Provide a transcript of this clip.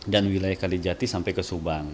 dan wilayah kalijati sampai ke subang